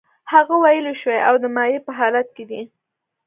هغه ویلې شوی او د مایع په حالت کې دی.